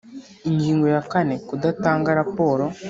Ingingo ya kane Kudatanga raporo